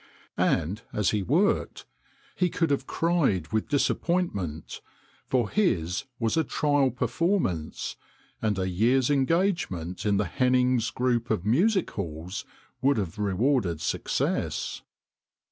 And as he worked he could have cried with disappointment, for his was a trial performance, and a year's engage ment in the Hennings' group of music halls would have rewarded success.